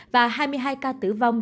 và hai mươi hai ca tử vong